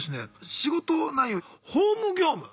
仕事内容ホーム業務。